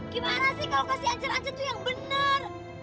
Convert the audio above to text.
gimana sih kalau kasih ancat ancat tuh yang bener